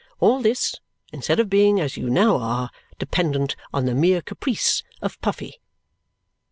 All this, instead of being as you now are, dependent on the mere caprice of Puffy!